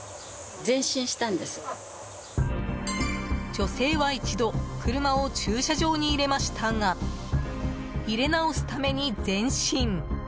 女性は一度車を駐車場に入れましたが入れ直すために前進。